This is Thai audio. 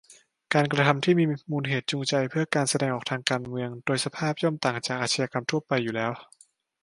การกระทำที่มีมูลเหตุจูงใจเพื่อการแสดงออกทางการเมือง โดยสภาพย่อมต่างจากอาชญากรรมทั่วไปอยู่แล้ว